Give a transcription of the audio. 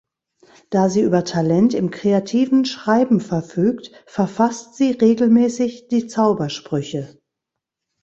Da sie über Talent im kreativen Schreiben verfügt, verfasst sie regelmäßig die Zaubersprüche.